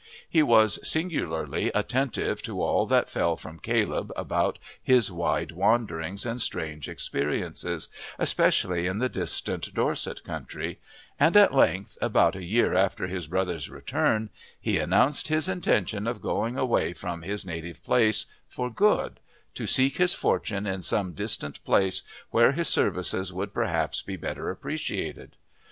He was singularly attentive to all that fell from Caleb about his wide wanderings and strange experiences, especially in the distant Dorset country; and at length, about a year after his brother's return, he announced his intention of going away from his native place for good to seek his fortune in some distant place where his services would perhaps be better appreciated.